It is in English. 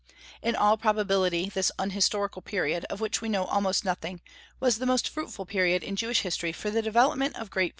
In all probability this unhistorical period, of which we know almost nothing, was the most fruitful period in Jewish history for the development of great virtues.